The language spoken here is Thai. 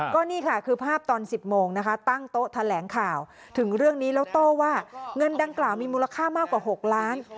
ก็นี่ค่ะคือภาพตอน๑๐โมงนะคะตั้งโต๊ะแถลงข่าวถึงเรื่องนี้แล้วโต้ว่าเงินดังกล่าวมีมูลค่ามากกว่า๖ล้าน